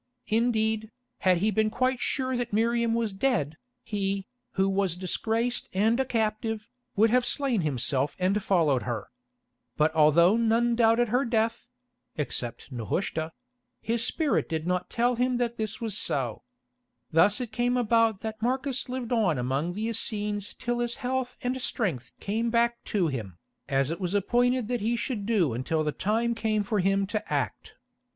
Indeed, had he been quite sure that Miriam was dead, he, who was disgraced and a captive, would have slain himself and followed her. But although none doubted her death—except Nehushta—his spirit did not tell him that this was so. Thus it came about that Marcus lived on among the Essenes till his health and strength came back to him, as it was appointed that he should do until the time came for him to act.